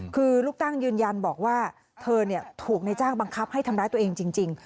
คือลูกจ้างยืนยันบอกว่าเธอถูกในจ้างบังคับให้ทำร้ายตัวเองจริง